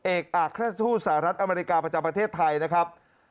เอกอักฆ่าศูนย์สหรัฐอเมริกาประเทศไทยนะครับ